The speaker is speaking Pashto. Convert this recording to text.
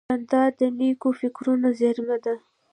جانداد د نیکو فکرونو زېرمه ده.